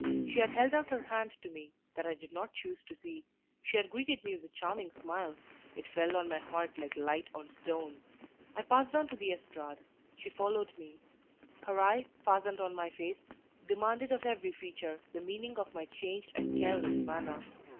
She had held out her hand to me that I did not choose to see. She had greeted me with a charming smile it fell on my heart like light on stone. I passed on to the estrade, she followed me; her eye, fastened on my face, demanded of every feature the meaning of my changed and careless manner.